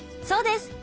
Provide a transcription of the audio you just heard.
そうです。